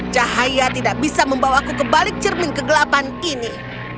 cahaya tidak bisa membawaku kebalik cermin kegelapan ini